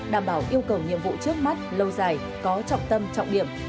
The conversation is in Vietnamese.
đảm bảo yêu cầu nhiệm vụ trước mắt lâu dài có trọng tâm trọng điểm